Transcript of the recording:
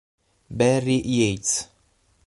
Barry Yates